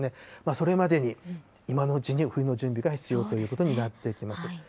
それまでに、今のうちに冬の準備が必要ということになってきます。